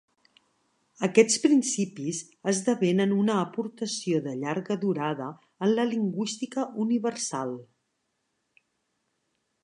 Aquests principis esdevenen una aportació de llarga durada en la lingüística universal.